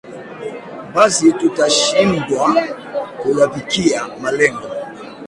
basi tutashindwa kuyafikia malengo